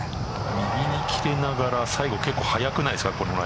右に切れながら最後、結構早くないですか。